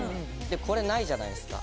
これないじゃないですか。